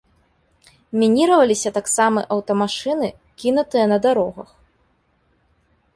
Мініраваліся таксама аўтамашыны, кінутыя на дарогах.